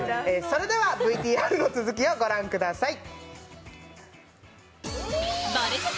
それでは、ＶＴＲの続きを御覧ください。